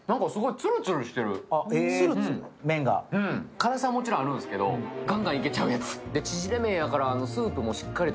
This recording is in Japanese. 辛さはもちろんあるんですけど、ガンガンいけちゃうやつ。